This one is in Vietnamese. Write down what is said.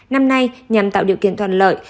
năm nay nhằm tạo điều kiện toàn lợi